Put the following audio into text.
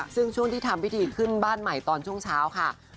ซึ่งคุณที่ทำวันขึ้นบ้านใหม่ช่วงเช้าค่ะ